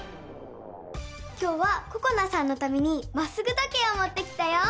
今日はここなさんのためにまっすぐ時計をもってきたよ！